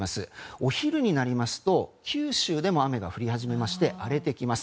お昼になりますと九州でも雨が降り始めまして荒れてきます。